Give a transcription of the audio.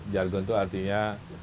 jargon itu artinya